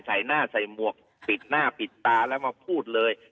ใส่หน้าใส่หมวกปิดหน้าปิดตาแล้วมาพูดเลย